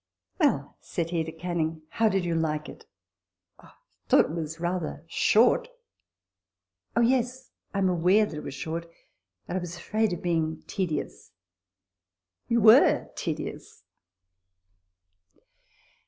" Well," said he to Canning, " how did you like it ?"" Why I thought it rather short." " Oh yes, I am aware that it was short ; but I was afraid of being tedious." " You were tedious."